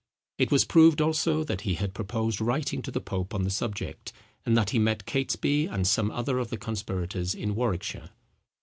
It was proved also that he had proposed writing to the pope on the subject, and that he met Catesby and some other of the conspirators in Warwickshire.